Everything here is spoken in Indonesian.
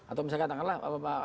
atau misalkan katakanlah